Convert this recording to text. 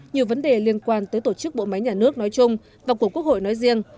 nhiều vấn đề liên quan tới tổ chức bộ máy nhà nước nói chung và của quốc hội nói riêng